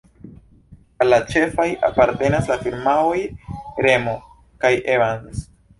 Al la ĉefaj apartenas la firmaoj "Remo" kaj "Evans".